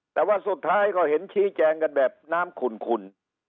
แต่ว่าสุดท้ายก็เห็นชี้แจงกันแบบน้ำขุ่น